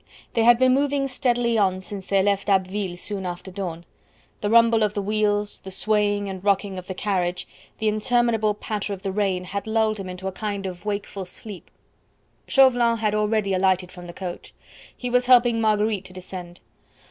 They had been moving steadily on since they left Abbeville soon after dawn; the rumble of the wheels, the swaying and rocking of the carriage, the interminable patter of the rain had lulled him into a kind of wakeful sleep. Chauvelin had already alighted from the coach. He was helping Marguerite to descend.